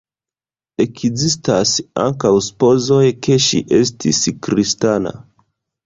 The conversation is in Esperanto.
Ekzistas ankaŭ supozoj, ke ŝi estis kristana.